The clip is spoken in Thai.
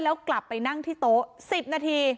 แล้วกลับไปนั่งที่โต๊ะ๑๐นาที